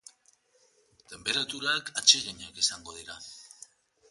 Tenperaturak atseginak izango dira.